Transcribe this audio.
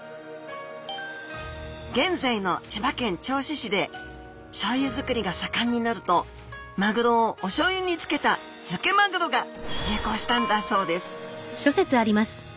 現在の千葉県銚子市でしょうゆづくりが盛んになるとマグロをおしょうゆにつけた漬けマグロが流行したんだそうです